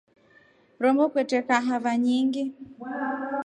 Rombo kwete kahawa nyingʼingi.